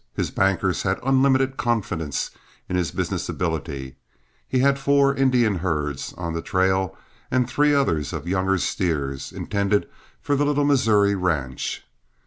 His bankers had unlimited confidence in his business ability; he had four Indian herds on the trail and three others of younger steers, intended for the Little Missouri ranch.